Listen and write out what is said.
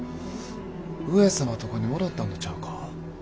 上様とこに戻ったんとちゃうか？